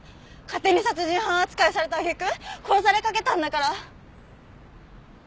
勝手に殺人犯扱いされた揚げ句殺されかけたんだから！